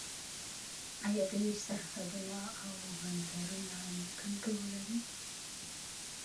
آیا دوی سرحدونه او بندرونه نه کنټرولوي؟